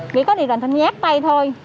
nghĩ có đi làm thì nhát tay thôi